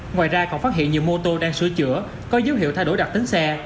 ngoài ra còn phát hiện nhiều mô tô đang sửa chữa có dấu hiệu thay đổi đặc tính xe